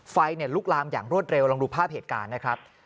ไฟลุกลามอย่างรวดเร็วลองดูภาพเหตุการณ์นะครับ